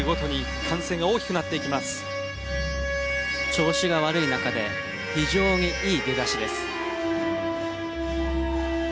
調子が悪い中で非常にいい出だしです。